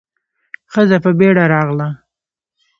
ښځه په بيړه راغله.